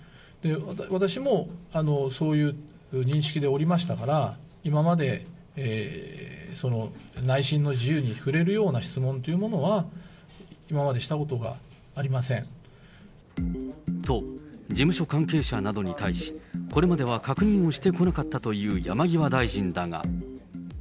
私もそういう認識でおりましたから、今まで内心の自由に触れるような質問というものは、と、事務所関係者などに対し、これまでは確認をしてこなかったという山際大臣だが。